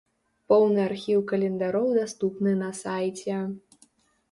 Поўны архіў календароў даступны на сайце.